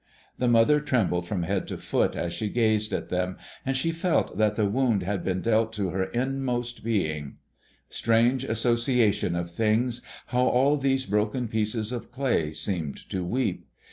The mother trembled from head to foot as she gazed at them, and she felt that the wound had been dealt to her innermost being. Strange association of things! How all these broken pieces of clay seemed to weep!